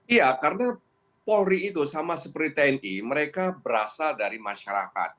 iya karena polri itu sama seperti tni mereka berasal dari masyarakat